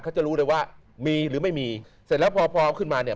เขาจะรู้เลยว่ามีหรือไม่มีเสร็จแล้วพอพอเอาขึ้นมาเนี่ย